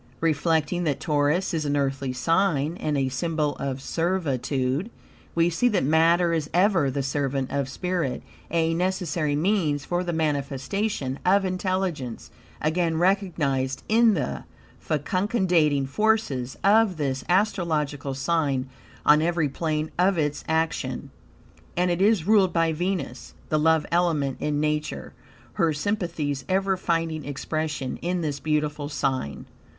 Reflecting that Taurus is an Earthy sign, and a symbol of servitude, we see that matter is ever the servant of spirit, a necessary means for the manifestation of intelligence, again recognized in the fecundating forces of this astrological sign on every plane of its action. And it is ruled by Venus, the love element in Nature, her sympathies ever finding expression in this beautiful sign.